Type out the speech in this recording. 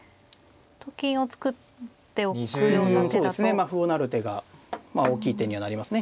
まあ歩を成る手が大きい手にはなりますね。